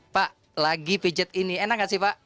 pak lagi pijat ini enak gak sih pak